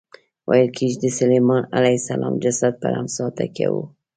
ویل کېږي د سلیمان علیه السلام جسد پر امسا تکیه و.